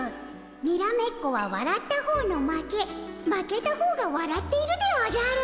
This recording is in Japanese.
にらめっこはわらった方の負け負けた方がわらっているでおじゃる。